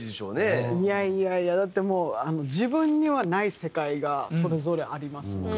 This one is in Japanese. いやいやいやだってもう自分にはない世界がそれぞれありますので。